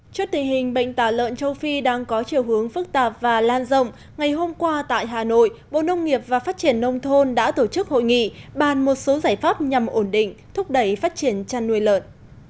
trước tình hình bệnh tả lợn châu phi đang có chiều hướng phức tạp và lan rộng ngày hôm qua tại hà nội bộ nông nghiệp và phát triển nông thôn đã tổ chức hội nghị bàn một số giải pháp nhằm ổn định thúc đẩy phát triển chăn nuôi lợn